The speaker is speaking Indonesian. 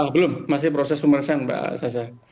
belum masih proses pemeriksaan mbak sasa